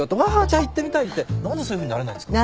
じゃあ行ってみたい」って何でそういうふうになれないんですか？